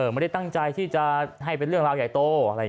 ไม่ได้ตั้งใจที่จะให้เป็นเรื่องราวใหญ่โต